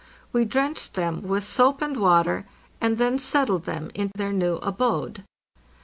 We drenched them with soap and water, and then settled them in their new abode.